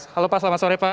halo pak selamat sore pak